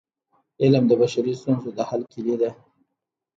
علم د بشري ستونزو د حل کيلي ده.